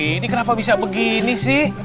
ini kenapa bisa begini sih